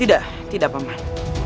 tidak tidak paman